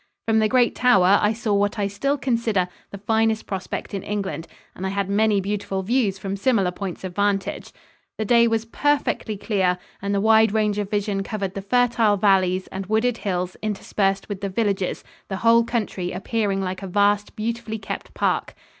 From the great tower I saw what I still consider the finest prospect in England, and I had many beautiful views from similar points of vantage. The day was perfectly clear and the wide range of vision covered the fertile valleys and wooded hills interspersed with the villages, the whole country appearing like a vast beautifully kept park.